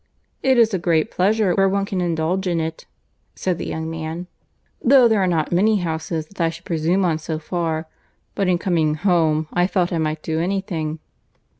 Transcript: "It is a great pleasure where one can indulge in it," said the young man, "though there are not many houses that I should presume on so far; but in coming home I felt I might do any thing."